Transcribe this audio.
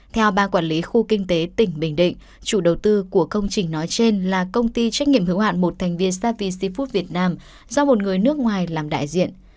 theo ban quản lý khu kinh tế tỉnh bình định chủ đầu tư của công trình nói trên là công ty trách nhiệm hữu hạn một thành viên sapee syfood việt nam do một người nước ngoài làm đại diện